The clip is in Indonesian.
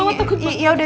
mama takut banget